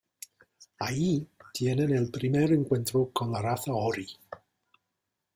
Allí tienen el primer encuentro con la raza Ori.